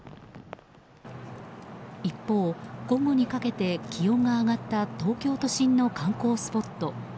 一方、午後にかけて気温が上がった東京都心の観光スポット。